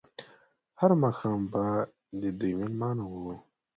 هر ماښام به د دوی مېلمانه وو.